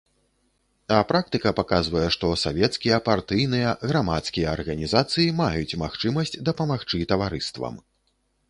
А практыка паказвае, што савецкія, партыйныя, грамадскія арганізацыі маюць магчымасць дапамагчы таварыствам.